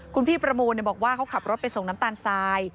คุณพี่ประมูลบอกว่าเขาขับรถไปส่งน้ำตาลทราย